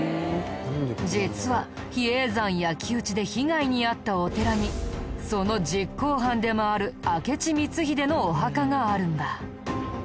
実は比叡山焼き討ちで被害に遭ったお寺にその実行犯でもある明智光秀のお墓があるんだ。